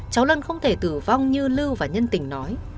cháu lân không thể tử vong như lưu và nhân tình nói